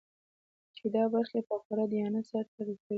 چې دا برخې په خورا دیانت سرته ورسوي.